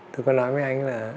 tôi có nói với anh là